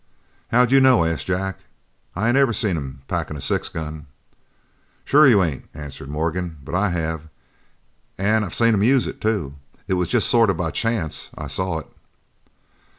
"How d'you know?" asked Jack, "I ain't ever seen him packin' a six gun." "Sure you ain't," answered Morgan, "but I have, an' I seen him use it, too. It was jest sort of by chance I saw it."